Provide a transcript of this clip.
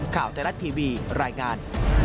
ข่าวไทยรัฐทีวีรายงาน